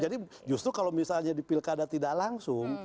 justru kalau misalnya di pilkada tidak langsung